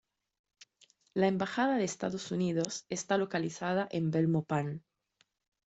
La embajada de Estados Unidos está localizada en Belmopán.